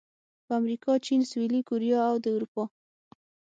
په امریکا، چین، سویلي کوریا او د اروپا